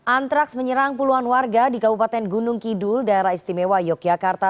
antraks menyerang puluhan warga di kabupaten gunung kidul daerah istimewa yogyakarta